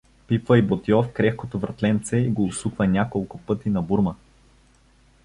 Пипва ѝ Ботйов крехкото вратленце и го усуква няколко пъти на бурма.